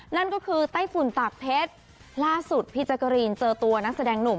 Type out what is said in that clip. นั่นก็คือไต้ฝุ่นตากเพชรล่าสุดพี่แจ๊กกะรีนเจอตัวนักแสดงหนุ่ม